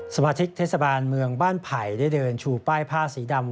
สมาชิกเทศบาลเมืองบ้านไผ่ได้เดินชูป้ายผ้าสีดำ